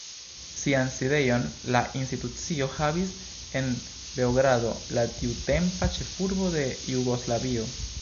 Sian sidejon la institucio havis en Beogrado, la tiutempa ĉefurbo de Jugoslavio.